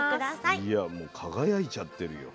いやもう輝いちゃってるよ。